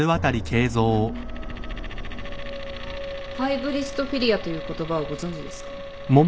ハイブリストフィリアという言葉をご存じですか？